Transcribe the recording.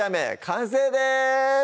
完成です